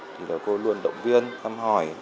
thì là cô luôn động viên thăm hỏi